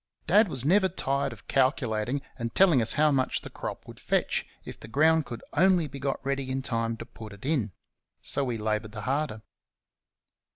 Dad was never tired of calculating and telling us how much the crop would fetch if the ground could only be got ready in time to put it in; so we laboured the harder.